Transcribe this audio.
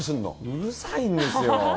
うるさいんですよ。